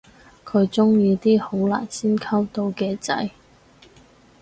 佢鍾意啲好難先溝到嘅仔